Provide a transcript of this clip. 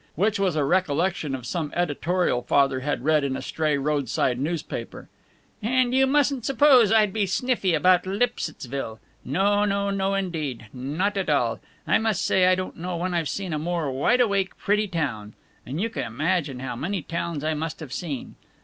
Which was a recollection of some editorial Father had read in a stray roadside newspaper. "And you mustn't suppose I'd be sniffy about Lipsittsville. No, no; no, indeed. Not at all. I must say I don't know when I've seen a more wide awake, pretty town and you can imagine how many towns I must have seen.